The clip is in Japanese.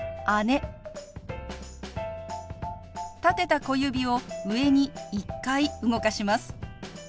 立てた小指を上に１回動かします。